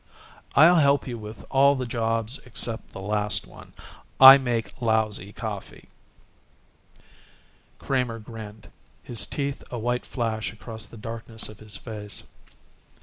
I'll help you with all the jobs except the last one. I make lousy coffee." Kramer grinned, his teeth a white flash across the darkness of his face.